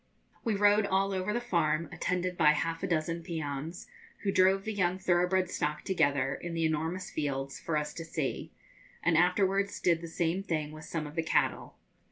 We rode all over the farm, attended by half a dozen peones, who drove the young thoroughbred stock together, in the enormous fields, for us to see, and afterwards did the same thing with some of the cattle.